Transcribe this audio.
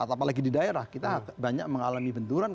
apalagi di daerah kita banyak mengalami benturan